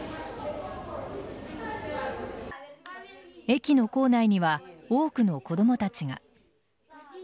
駅の構内には多くの子供たちが。